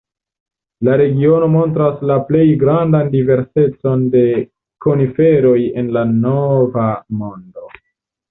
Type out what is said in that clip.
La regiono montras la plej grandan diversecon de koniferoj en la Nova Mondo.